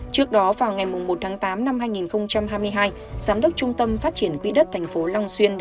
trước đó vào ngày một tháng tám năm hai nghìn hai mươi hai giám đốc trung tâm phát triển quỹ đất tp long xuyên